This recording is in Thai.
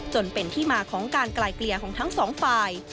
จนเป็นที่มาของการไกลเกลี่ยของทั้งสองฝ่าย